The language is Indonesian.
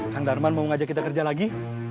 kang darman mau ngajak kita kerja lagi